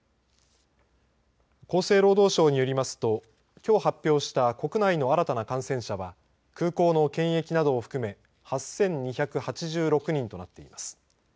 厚生労働省によりますときょう発表した国内の新たな感染者は空港の検疫などを含め８２８６人となっています。